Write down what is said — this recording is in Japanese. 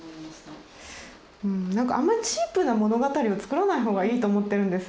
なんかあんまりチープな物語を作らないほうがいいと思ってるんですよ。